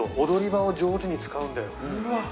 踊り場を上手に使うんだよ。